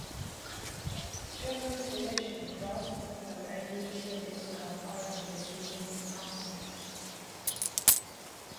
General Stilicho crossed the Po and reached the Visigoth army besieging Hasta.